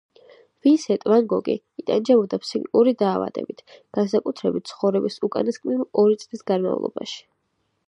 ვინსენტ ვან გოგი იტანჯებოდა ფსიქიკური დაავადებით, განსაკუთრებით ცხოვრების უკანასკნელი ორი წლის განმავლობაში.